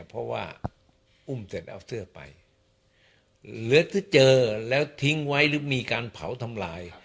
เพราะว่าอุ้มเสร็จเอาเสื้อไปเหลือที่เจอแล้วทิ้งไว้หรือมีการเผาทำลาย